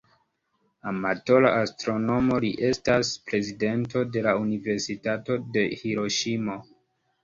Amatora astronomo, li estas prezidento de la Universitato de Hiroŝimo.